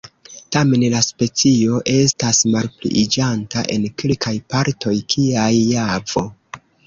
Tamen la specio estas malpliiĝanta en kelkaj partoj kiaj Javo.